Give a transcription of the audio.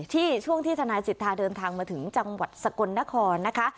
ช่วงที่ทนายสิทธาเดินทางมาถึงจังหวัดสกลนครนะคะ